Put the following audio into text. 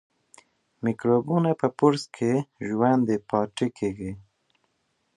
میکروبونه په برس کې ژوندي پاتې کېږي.